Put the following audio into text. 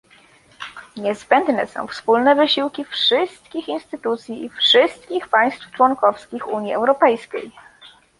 Niezbędne są wspólne wysiłki wszystkich instytucji i wszystkich państw członkowskich Unii Europejskiej